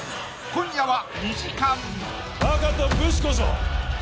今夜は２時間！